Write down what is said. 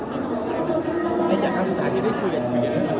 ไม่จากครั้งสุดท้ายที่ได้คุยกันคุยกันด้วยอะไร